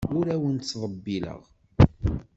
Ur awen-ttḍebbileɣ.